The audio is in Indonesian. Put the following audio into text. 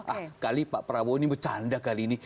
ah kali pak prabowo ini bercanda kali ini